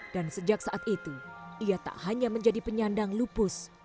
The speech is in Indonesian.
dan sejak saat itu ia tak hanya menjadi penyandang lupus